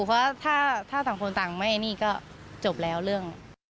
เพราะถ้าต่างคนต่างไม่นี่ก็จบแล้วเรื่อง